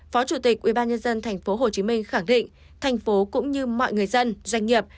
phó chủ tịch ubnd tp hcm khẳng định thành phố cũng như mọi người dân doanh nghiệp